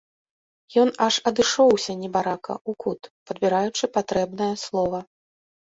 Ён аж адышоўся, небарака, у кут, падбіраючы патрэбнае слова.